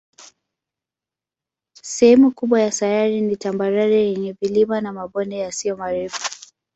Sehemu kubwa ya sayari ni tambarare yenye vilima na mabonde yasiyo marefu.